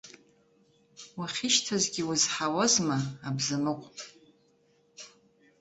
Уахьышьҭазгьы узҳауазма, абзамыҟә?!